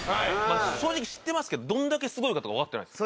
正直知ってますけどどんだけすごいかとかわかってないです。